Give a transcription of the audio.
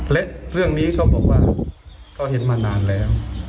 และเรื่องนี้เขาบอกว่าเขาเห็นมานานแล้ว